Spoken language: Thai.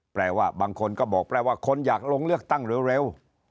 แปลว่าบางคนก็บอกแปลว่าคนอยากลงเลือกตั้งเร็ว